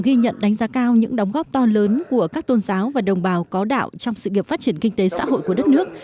ghi nhận đánh giá cao những đóng góp to lớn của các tôn giáo và đồng bào có đạo trong sự nghiệp phát triển kinh tế xã hội của đất nước